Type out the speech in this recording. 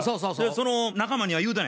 その仲間には言うたんや？